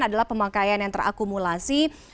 adalah pemakaian yang terakumulasi